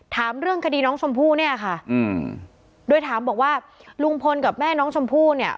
ถามเรื่องคดีน้องชมพู่เนี่ยค่ะอืมโดยถามบอกว่าลุงพลกับแม่น้องชมพู่เนี่ย